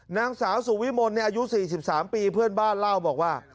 นางสาวสุวิมลอายุ๔๓ปีเพื่อนบ้านเล่าบอกว่า